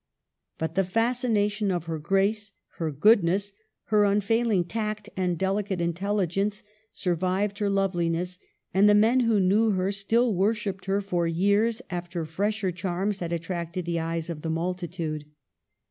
But the fascination of her grace, her goodness, her unfailing tact and deli cate intelligence survived her loveliness ; and the men who knew her still worshipped her for years after fresher charms had attracted the eyes of the multitude.